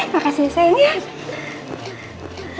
makasih ya sayang